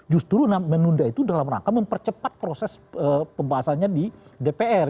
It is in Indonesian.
justru menunda itu dalam rangka mempercepat proses pembahasannya di dpr